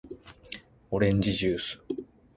おれんじじゅーす